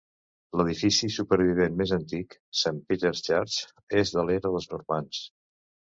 L"edifici supervivent més antic, Saint Peter's Church, és de l"era dels normands.